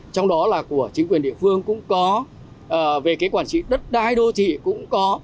trong đó là của chính quyền địa phương cũng có về cái quản trị đất đai đô thị cũng có